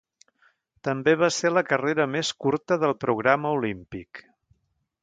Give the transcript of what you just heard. També va ser la carrera més curta del programa olímpic.